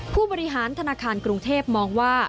ผู้บริหารธนาคารกรุงเทพมองว่า